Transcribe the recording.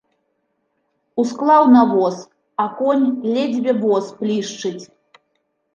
Усклаў на воз, а конь ледзьве воз плішчыць.